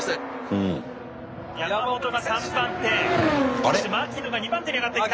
山本が３番手そして牧野が２番手に上がってきた。